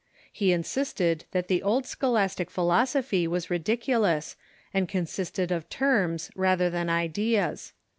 He insisted that the old scholastic philosophy was ridiculous and consisted of terms rather than ideas.